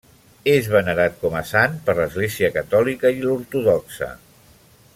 És venerat com a sant per l'Església Catòlica i l'ortodoxa.